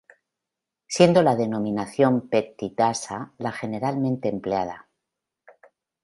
Siendo la denominación peptidasa la generalmente empleada.